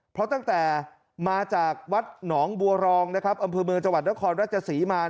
เพราะตั้งแต่มาจากวัดหนองบัวรองนะครับอำเภอเมืองจังหวัดนครราชศรีมา